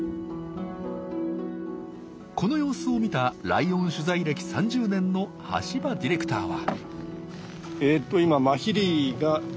この様子を見たライオン取材歴３０年の橋場ディレクターは。